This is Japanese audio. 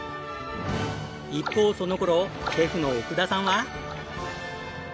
一方その頃シェフの奥田さんは。